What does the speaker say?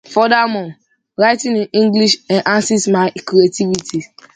Furthermore, writing in English enhances my creativity.